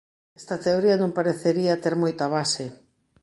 Esta teoría non parecería ter moita base.